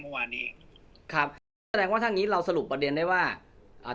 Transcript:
เมื่อวานนี้ครับนั่นแสดงว่าถ้างี้เราสรุปประเด็นได้ว่าอ่า